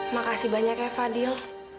makasih banyak ya fadil